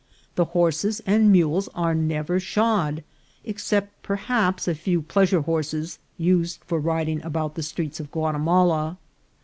The horses and mules are never shod, ex cept perhaps a few pleasure horses used for riding about the streets of Guatimala.